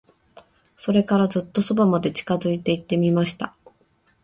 それから、ずっと側まで近づいて行ってみました。